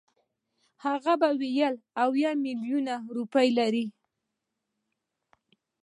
هغه به ویل اویا میلیونه روپۍ لري.